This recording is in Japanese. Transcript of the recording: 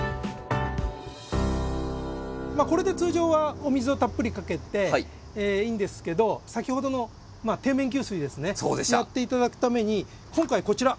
これで通常はお水をたっぷりかけていいんですけど先ほどの底面給水ですねやって頂くために今回こちら。